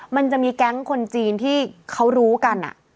มันจะมีแก๊งคนจีนที่เขารู้กัน